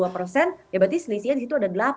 berarti selisihnya di situ ada delapan